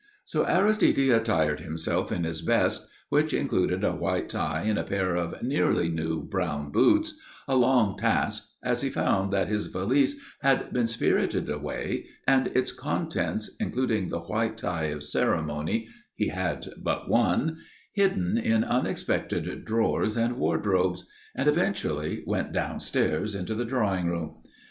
So Aristide attired himself in his best, which included a white tie and a pair of nearly new brown boots a long task, as he found that his valise had been spirited away and its contents, including the white tie of ceremony (he had but one), hidden in unexpected drawers and wardrobes and eventually went downstairs into the drawing room.